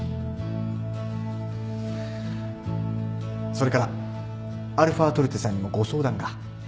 それからαトルテさんにもご相談が。